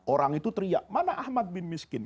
orang itu teriak mana ahmad bin miskin